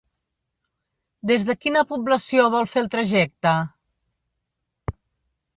Des de quina població vol fer el trajecte?